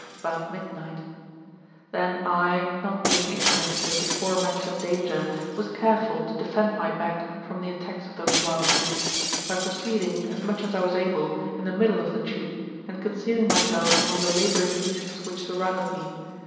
about midnight] Then I, not being ignorant of tne before mentioned danger, was careful to defend my back from the attacks of those wild beasts, by proceeding, as much as 1 was able, in the middle of the troop, and concealing myself among the labouring beasts which surrounded me.